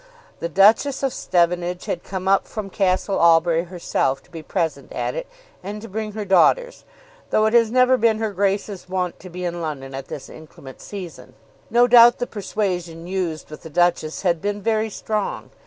The Duchess of Stevenage had come up from Castle Albury herself to be present at it and to bring her daughters, though it has never been her Grace's wont to be in London at this inclement season. No doubt the persuasion used with the Duchess had been very strong.